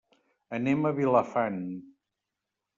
Anem a Vilafant.